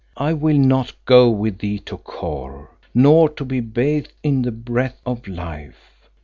I will not go with thee to Kôr, nor be bathed in the breath of Life.